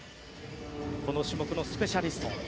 この種目のスペシャリスト。